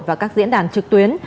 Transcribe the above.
và các diễn đàn trực tuyến